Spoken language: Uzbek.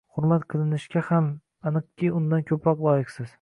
Hurmat qilinishga ham, aniqki, undan ko‘proq loyiqsiz.